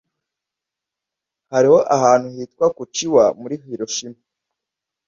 Hariho ahantu hitwa Kuchiwa muri Hiroshima.